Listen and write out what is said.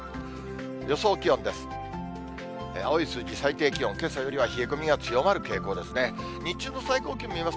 予想気温です。